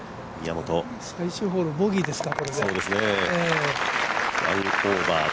最終ホール、ボギーですか。